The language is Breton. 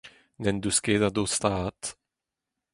N'en deus ket a dostaat.